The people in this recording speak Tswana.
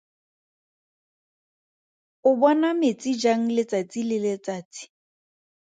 O bona metsi jang letsatsi le letsatsi?